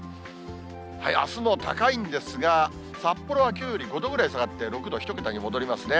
あすも高いんですが、札幌はきょうより５度ぐらい下がって６度、１桁に戻りますね。